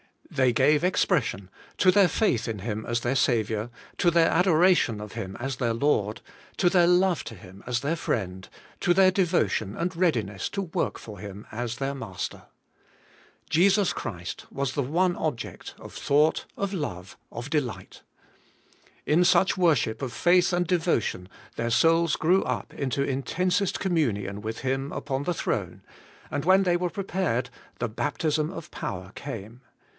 They gave expression to their faith in Him as their Saviour, to their adoration of Him as their AS YOUR STRENGTH. 209 Lord, to their love to Him as their Friend, to their deyotion and readiness to work for Him as their Mas ter. Jesus Christ was the one object of thought, of love, of delight. In such worship of faith and devo tion their souls grew up into intensest communion with Him upon the throne, and when they were pre pared, the baptism of power came.